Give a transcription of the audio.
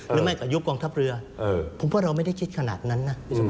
หรือไม่กับยุคกองทัพเรือผมว่าเราไม่ได้คิดขนาดนั้นนะ